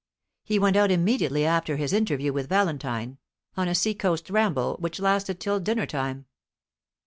He went out immediately after his interview with Valentine, on a sea coast ramble, which lasted till dinner time.